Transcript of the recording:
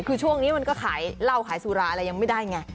คือช่วงนี้มันก็ขายเหล้าขายสุราอะไรยังไม่ได้ไง